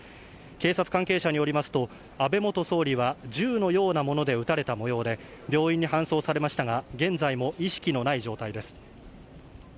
警察関係者によりますと、安倍元総理は、銃のようなもので撃たれたもようで、病院に搬送されましたが、現在も意識のない状態です。